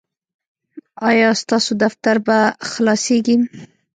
ایا ستاسو دفتر به خلاصیږي؟